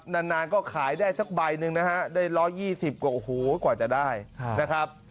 นานก็ขายได้สักใบนึงนะฮะได้๑๒๐บาทกว่าจะได้นะครับ